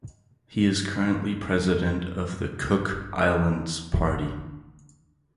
He is currently president of the Cook Islands Party.